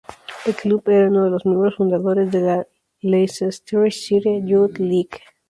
El club era uno de los miembros fundadores de la "Leicestershire Youth League".